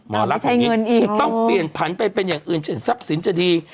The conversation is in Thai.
ไม่ใช่เงินอีกต้องเปลี่ยนผันเป็นอย่างอื่นเสร็จทรัพย์สินจะดี